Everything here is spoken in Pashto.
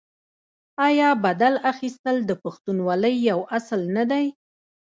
آیا بدل اخیستل د پښتونولۍ یو اصل نه دی؟